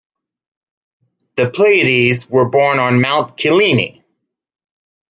The Pleiades were born on Mount Kyllini.